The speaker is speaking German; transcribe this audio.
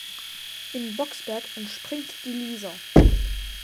In Boxberg entspringt die Lieser.